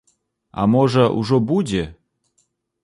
А можа, ужо будзе?